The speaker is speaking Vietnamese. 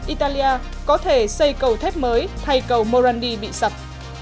italia có thể xây cầu thép mới thay cầu morandi bị sập